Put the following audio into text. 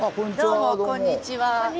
どうもこんにちは。